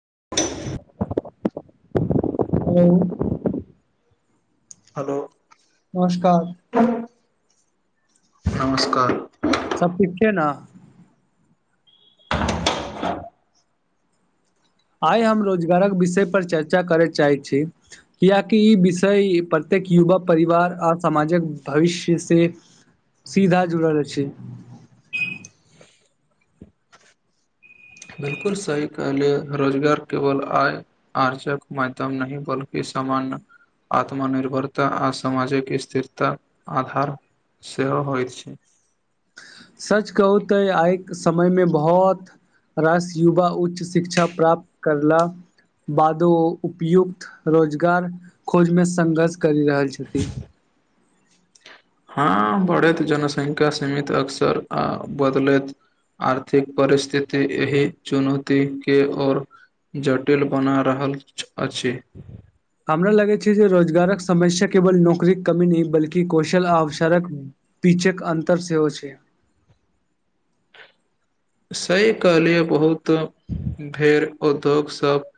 [unintelligible] hello hello नमस्कार नमस्कार सब ठीक छै न आइ हम रोजगारक विषय पर चर्चा करय चाहैत छी कियाकि ई विषय प्रति एक युवा परिवार आर सामाजिक भविष्य से सीधा जुड़ल छी बिलकुल सही कहलिय रोजगार केवल आय आर्जक माध्यम नहि बल्कि इ सामान्य आत्मनिर्भरता आ सामाजिक स्थिरता आधार सेहो होइत छै सच कहू तऽ आइ समयमे बहुत रास युवा उच्च शिक्षा प्राप्त करला बादो उपयुक्त रोजगार खोजमे संघर्ष करि रहल छथि [inaudible] हँ बढ़ैत जनसंख्या सीमित अक्सर आ बदलैत आर्थिक परिस्थिति एहि चुनौती के और जटिल बना रहल अछि हमरा लगै छै जे रोजगारक समस्या केवल नौकरीक कमी नहि बल्कि कौशल आ अवसारक पीचक अंतर सेहो छै सही कहलि बहुत भेड़ उद्योग सब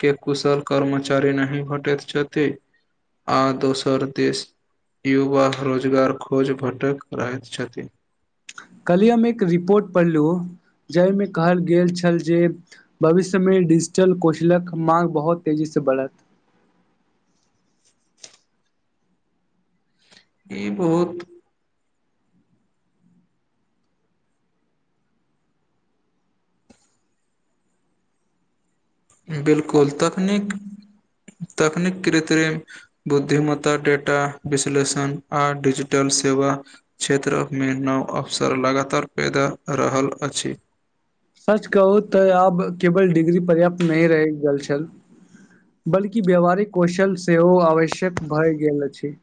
के कुशल कर्मचारी नहि भटैत छथि आ दोसर देश युवा रोजगार खोज भटक रहैत छथि कलिय हममे एक रिपोर्ट पढ़लहु जाहिमे कहल गेल छल जे भविष्यमे डिजिटल कौशलक मा्ग बहुत तेजीसँ से बढ़त ई बहुत बिलकुल तकनीक तकनिक कृति बुद्धिमत्ता डेटा विश्लेषण आ डिजिटल सेवा क्षेत्रमे नव अवसर लगातार पैदा रहल अछि सच कहू तऽ आब केवल डिग्री पर्याप्त नहि रहै जलछल बल्कि व्यावहारिक कौशल सेहो आवश्यक भए गेल अछि [inaudible]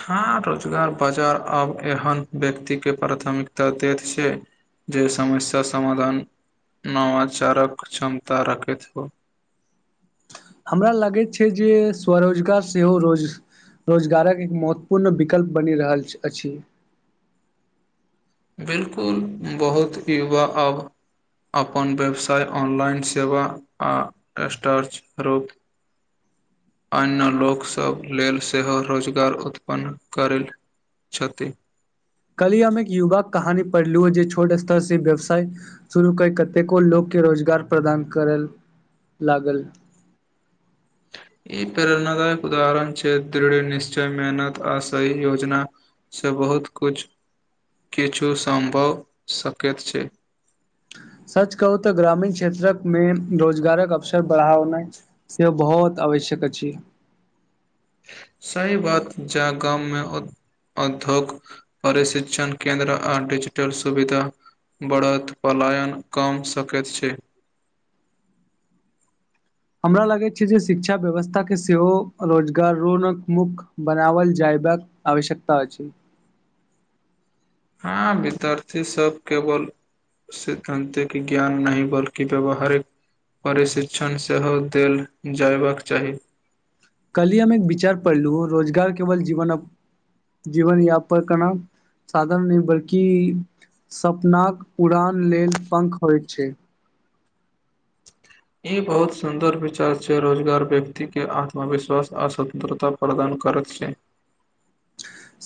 हँ रोजगार बाजार आब एहन व्यक्तिके प्राथमिकता दैत छै जे समस्या समाधान नवाचारक क्षमता राखैत हो हमरा लागैत छै जे स्वरोजगार सेहो रोज रोजगारक एक महत्वपूर्ण विकल्प बनि रहल अछि बिलकुल बहुत युवा अब अपन व्यवसाय ऑनलाइन सेवा आ स्टाॅरच रूप [inaudible] अन्य लोकसभ लेल सेहो रोजगार उत्पन्न करै छथि कली हमे एक युवक कहानी पढ़लू जे छोट स्तर से व्यवसाय शुरू कर कतेको लोक के रोजगार प्रदान करै लागल ई प्रेरणायक उदाहरण छै दृढ़ निश्चय मेहनत आशी योजना सँ बहुत किछु किछु सम्भव सकैत छै सच कहू तऽ ग्रामीण क्षेत्रक मे रोजगारक अवसर बढ़ाओ नहि से बहुत आवश्यक अछि सही बात जा गाँमे उद्योग प्रशिक्षण केन्द्र आ डिजिटल सुविधा बढ़त पलायन कम सकैत छै [inaudible] हमरा लगैत छै जे शिक्षा व्यवस्था के सेहो रोजगारोनक मुख्य बनाओल जाय बाक आवश्यकता होइ छै हँ विद्यार्थी सब केवल सिद्धांतिक ज्ञान नहि बल्कि व्यवहारिक प्ररिशिक्षण सेहो देल जयबाक चाही कलही हम एक विचार पढ़लू रोजगार केवल जीवन जीवन यापन केना साधन नहि बल्कि सपनाक उड़ान लेल पंख होइत छै [inaudible] ई बहुत सुन्दर विचार छै रोजगार व्यक्ति के आत्मविश्वास आर स्वतंत्रता प्रदान करत छै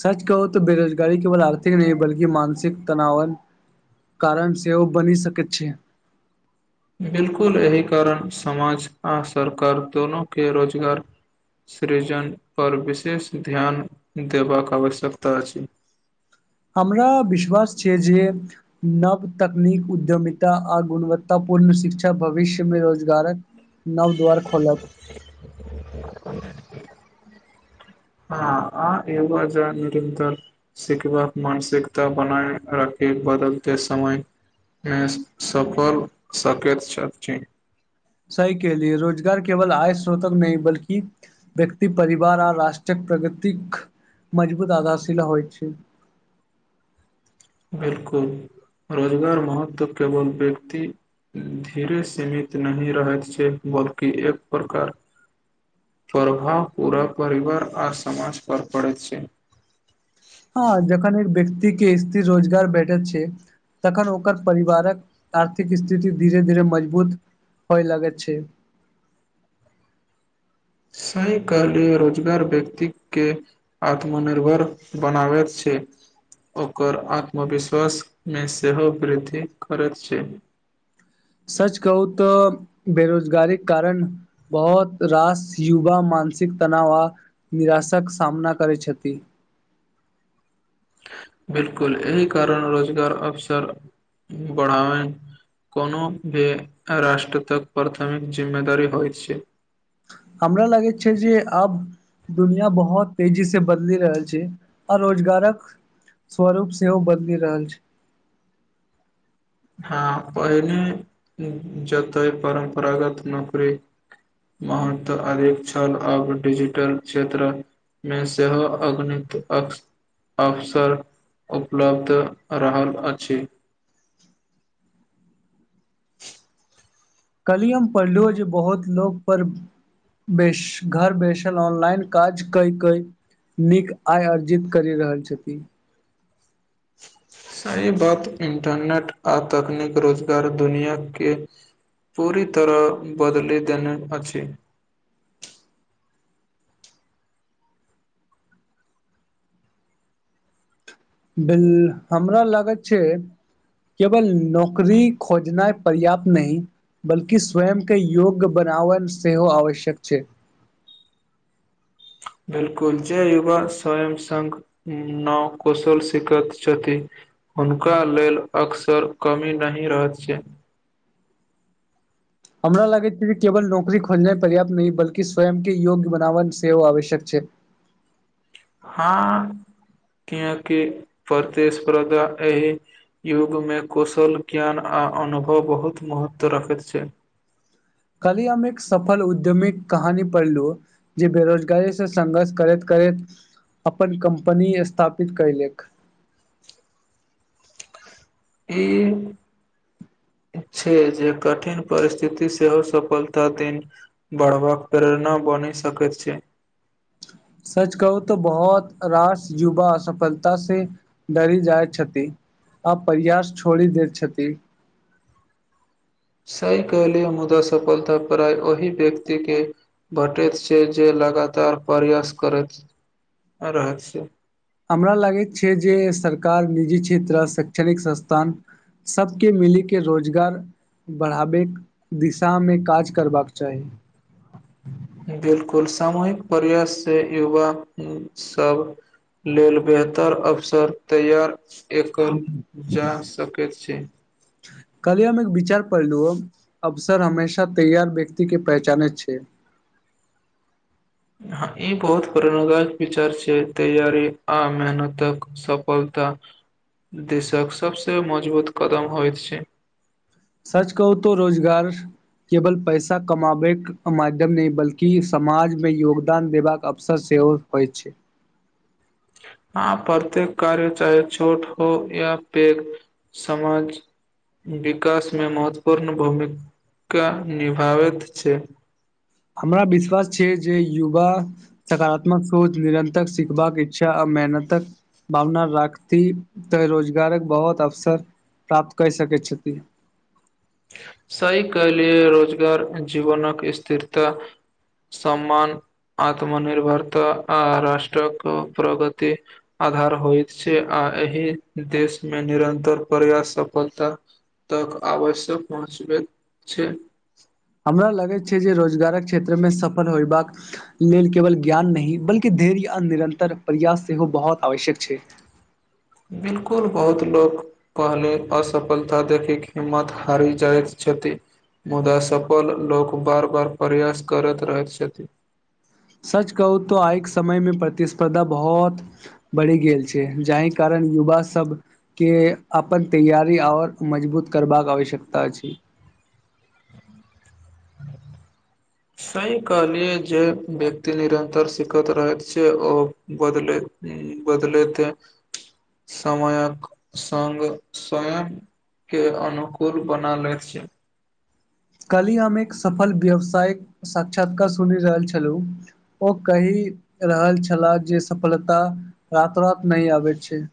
सच कहो त बेरोजगारी केवल आर्थिक नहि बल्कि मानसिक तनावन कारण सेहो बनि सकैत छै बिलकुल एहि कारण समाज आ सरकार दोनो के रोजगार सृजन पर विशेष ध्यान देबाक आवश्यकता अछि हँ हमरा विश्वास छै जे नव तकनीक उद्यमिता आ गुणवत्ता पूर्ण शिक्षा भविष्यमे रोजगारक नव द्वार खोलत हूं हँ आ एव ज निरतर सीखबाक मानसिकता बनाय रख ई बदलते समय सफल सकैत छथि सही केलियै रोजगार केवल आय श्रोतक नहि बल्कि व्यक्ति परिवार आ राष्ट्रके प्रगतिक मजबूत आधारशिला होइ छै बिलकुल रोजगार महत्व केवल व्यक्ति धीरे सीमित नहि रहैत छै बल्कि एक प्रकार परभाव पूरा परिवार आ समाज पर पड़ैत छै हँ जखन एक व्यक्ति के स्थिर रोजगार भेटल छै तखन ओकर परिवारक आर्थिक स्थिति धीरे धीर मजबूत होइ लगै छै [inaudible] सही कहले रोजगार व्यक्ति के आत्मनिर्भर बनाबैत छै ओकर आत्मविश्वास मे सेहो वृद्धि करैत छै सच कहू तऽ बेरोजगारी कारण बहुत रास युवा मान मानसिक तनाव आ निराशाक सामना करैत छथि बिलकुल एहि कारण रोजगार अवसर बढ़ाबै कोनो भी राष्ट्र तक प्राथमिक जिम्मेदारी होइ छै हमरा लागै छै जे आब दुनिया बहुत तेजी से बदलि रहल छै आ रोजगारक स्वरूप सेहो बदलि रहल छै हँ पहिने जतय परम्परागत नौकरी महत्त अधिक छल आब डिजिटल क्षेत्रक मे सेहो अगणित अक अवसर उपलब्ध रहल अछि कलिय हम पढ़लो जे बहुत लोक पर बेस घर बसल ऑनलाइन काज कै कई नीक आय अर्जित करि रहल छथिन सही बात इंटरनेट आ तकनीक रोजगार दुनिया के पूरी तरह बदली देन अछि बिल हमरा लागैत छै केवल नौकरी खोजनाइ पर्याप्त नहि बल्कि स्वयं के योग्य बनाबन सेहो आवश्यक छै [unintelligible] बिलकुल जे युवा स्वयं सघ न कुशल सिखत छथि हुनका लेल अक्सर कमी नहि रहैत छै हमरा लागैत कि जे केवल नौकरी खोजनाइ पर्याप्त नहि बल्कि स्वयं के योग्य बनाबन सेहो आवश्यक छै [inaudible] हँ कएकि प्रतिस्पर्धा एहि युगमे कुशल ज्ञान आ अनुभव बहुत महत्व रखैत छै [inaudible] काल्हि हम एक सफल उद्यमिक कहानी पढ़लू जे बेरोजगारी से संघर्ष करैत करैत अपन कंपनी स्थापित कैलक इ [inaudible] छै जे कठिन परिस्थिति सेहो सफलता दिन बढ़बाक प्रेरणा बनी सकत छै [inaudible] सच कहू तऽ बहुत रास युवा असफलता से डरी जाइ छथि आ परयास छोड़ि देत छथि सहि कहलियै मुदा सफलता प्राय ओहि व्यक्ति के भेटैत छै जे लगा कातार प्रयास करैत रहैत छै हमरा लागैत छै जे सरकार निजी क्षेत्र आ शैक्षणिक संस्थान सबके मिली के रोजगार बढ़ाबै दिशामे काज करबाक चाही बिलकुल सामूहिक प्रयास से युवा सब लेल बेहतर अवसर तैयार एकल जा सकैत छै कलियमे एक विचार पढ़लु ह अवसर हमेशा तैयार व्यक्ति के पहचाने छै [inaudible] ह ई बहुत प्रेणादायक विचार छै तैयरी आ मेहनतक सफल देशक सभसँ मजबूत कदम होइत छै सच कहू त रोजगार केवल पैसा कमााबैके माध्यम नहि बल्कि समाजमे योगदान देबाक अवसर से हो छै आ प्रत्येक कार्य चाहे छोट हो या पेघ समाज विकासमे महत्वपूर्ण भूमिका निभाबैत छै हमरा विश्वास छै जे युवा सकारात्मक सोच निरन्तर सिखबाक इच्छा आ मेहनतक भावना राखती तऽ रोजगारक बहुत अवसर प्राप्त कय सकै छथि सही कहलिए रोजगार जीवनक स्थिरता सम्मान आत्मनिर्भरता आ राष्ट्रक प्रगति आधार होइत छै आ एहि देशमे निरन्तर पर्याप्त सफलता तक आवश्यक पाँच बेल छै हमरा लगैत छै जे रोजगारक क्षेत्रमे सफल होयबाक लेल केवल ज्ञान नहि बल्कि धैर्य आ निरन्तर प्रयास सेहो बहुत आवश्यक छै बिलकुल बहुत लोक पहले असफलता देखी हिम्मत हारी जायत छथि मुद्दा सफल लोक बार बार प्रयास करैत रहैत छथि सच कहू तऽ आइके समयमे प्रतिस्पर्धा बहुत बढ़ि गेल छै जाहि कारण युवा सब के अपन तैयारी आऔर मजबूत करबाक आवश्यकता अछि सही कहलिय जे व्यक्ति निरन्तर सिखैत रहैत छै ओ बदले ह बदलैत समयक संग समयक के अनुकूल बना लैत छै कल्हि हम एक सफल व्यावसायिक साक्षात्कार सुनि रहल छलहुँ ओ कहि रहल छलाह जे सफलता रातो रात नहि आबैत छै [unintelligible]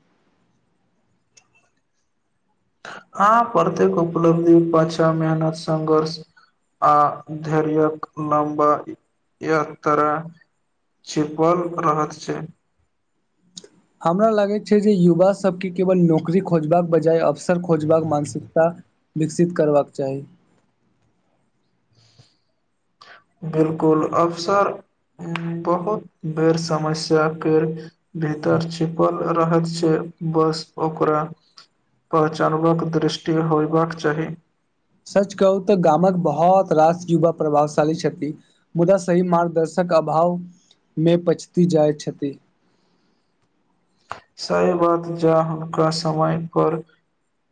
आ प्रत्येक उपलब्धि पाछा मेहनत संघर्ष आ धैर्यक नम्बर एक तरह छिपल रहत छै हमरा लागैत छै जे युवा सबके केवल नौकरी खोजबाक बजाय अवसर खोजबाक मानसिकता विकसित करबाक चाही बिल्कुल अवसर बहुत बेर समस्या केड़ भीतर छिपल रहत छै बस ओकरा पहचानबाक दृष्टि होयबाक चाही सच कहू तऽ गामक बहुत रास युवा प्रभावशाली छथि मुदा सही मार्गदर्शन अभाव मे पचती जाइत छथि सहि बात जा हुनका समय पर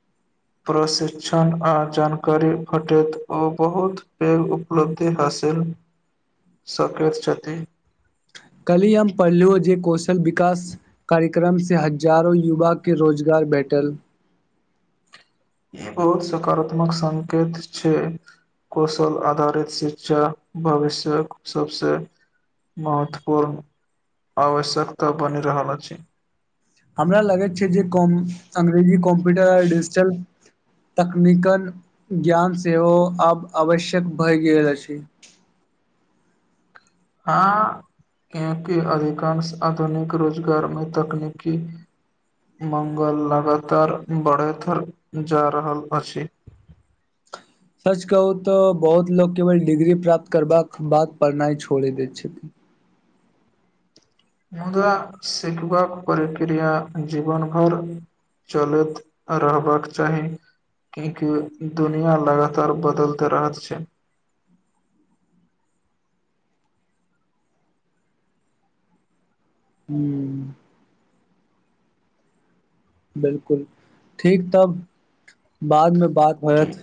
[unintelligible] प्रशिक्षण आ जानकारी भेटैत ओ बहुत पैघ उपलब्धि हासिल सकैत छथि कल्हि हम पढ़लू जे कौशल विकास कार्यक्रम से हजारो युवा के रोजगार भेटल ई बहुत सकारात्मक संकेत छै कौशल आधारित शिक्षा भविष्य सबसे महत्वपूर्ण आवश्यकता बनि रहल अछि हमरा लगैत छै जे अंग्रेजी कम्प्यूटर आर डिजिटल तकनीकन ज्ञान सेहो आब आवश्यक भए गेल अछि हँ क्योंकिअधिकांश आधुनिक रोजगारमे तकनीकी मङ्गल लगातार बढ़तर जा रहल अछि [unintelligible] सच कहू तऽ बहुत लोको केवल डिग्री प्राप्त करबाक बाद पढ़नाइ छोड़ि दैत छथिन मुदा शिखबाक प्रक्रिया जीवन भर चलैत रहबाक चाही किएक दुनिया लगातार बदलैत रहत छै ह्म बिल्कुल ठीक तब बादमे बात होयत